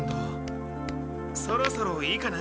そろそろいいかな。